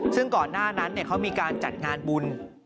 ซึ่งก่อนหน้านั้นเขามีการจัดงานบุญ